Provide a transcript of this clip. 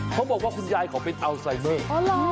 เขาบอกว่าคุณยายของเป็นอัลไซเมอร์